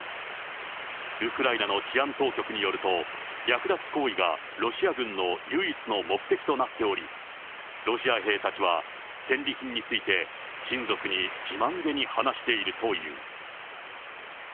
ウクライナの治安当局によると、略奪行為がロシア軍の唯一の目的となっており、ロシア兵たちは戦利品について、親族に自慢げに話しているという。